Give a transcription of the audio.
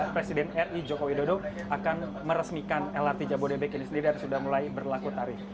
presiden ri joko widodo akan meresmikan lrt jabodebek ini sendiri dan sudah mulai berlaku tarif